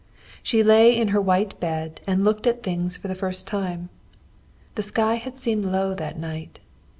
She lay in her white bed and looked at things for the first time. The sky had seemed low that night.